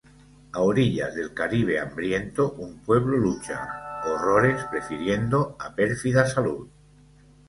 A orillas del caribe hambriento un pueblo lucha, horrores prefiriendo a pérfida salud.